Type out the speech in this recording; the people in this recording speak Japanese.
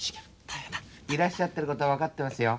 いらっしゃってることは分かってますよ。